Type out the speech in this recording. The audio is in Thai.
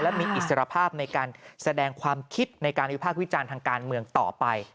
และมีอิสรภาพในการแสดงความคิดในการวิพากษ์วิจารณ์ทางการเมืองต่อไป